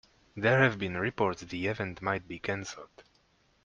There have been reports the event might be canceled.